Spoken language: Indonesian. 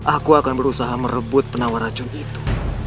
aku akan berusaha merebut penawar racun itu